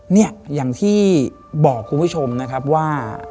เนี่ยอย่างที่บอกคุณผู้ชมนะครับว่า